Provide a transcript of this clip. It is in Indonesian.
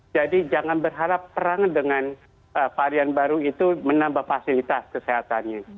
jangan berharap perang dengan varian baru itu menambah fasilitas kesehatannya